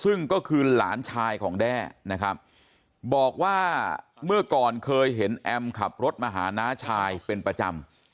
ซึ่งก็คือหลานชายของแด้นะครับบอกว่าเมื่อก่อนเคยเห็นแอมขับรถมาหาน้าชายเป็นประจำ